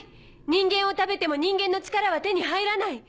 人間を食べても人間の力は手に入らない。